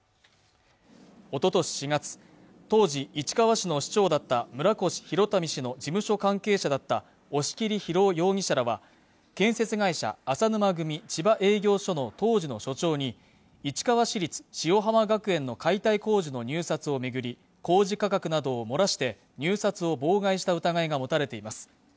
おととし４月当時市川市の市長だった村越祐民氏の事務所関係者だった押切裕雄容疑者らは建設会社淺沼組千葉営業所の当時の所長に市川市立塩浜学園の解体工事の入札を巡り工事価格などを漏らして入札を妨害した疑いが持たれています